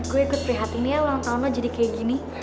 gue ikut prihatinnya ulang tahun lo jadi kayak gini